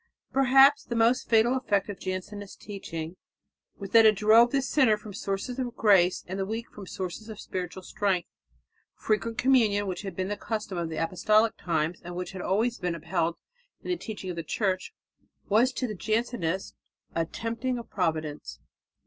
Perhaps the most fatal effect of Jansenist teaching was that it drove the sinner from the sources of grace and the weak from the sources of spiritual strength. Frequent communion, which had been the custom in apostolic times and which had been always upheld in the teaching of the Church, was to the Jansenist a tempting of Providence.